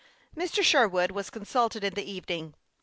Mr. Sherwood was consulted in the evening.